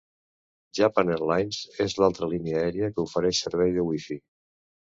Japan Airlines és l'altra línia aèria que ofereix servei de wifi.